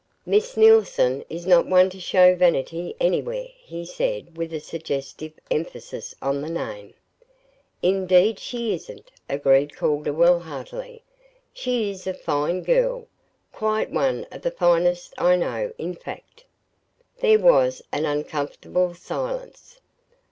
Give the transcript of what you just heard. "MISS NEILSON is not one to show vanity anywhere," he said, with suggestive emphasis on the name. "Indeed she isn't," agreed Calderwell, heartily. "She is a fine girl quite one of the finest I know, in fact." There was an uncomfortable silence.